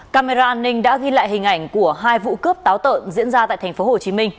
camera an ninh đã ghi lại hình ảnh của hai vụ cướp táo tợn diễn ra tại tp hcm